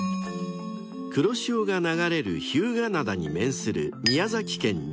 ［黒潮が流れる日向灘に面する］